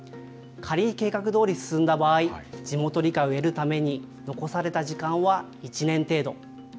仮に計画どおり進んだ場合、地元理解を得るために残された時間は１年程度。